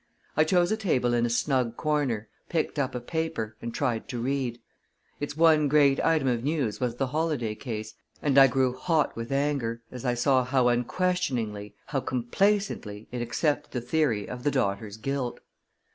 I chose a table in a snug corner, picked up a paper, and tried to read. Its one great item of news was the Holladay case, and I grew hot with anger, as I saw how unquestioningly, how complacently, it accepted the theory of the daughter's guilt.